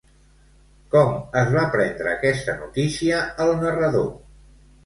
Com es va prendre aquesta notícia el narrador?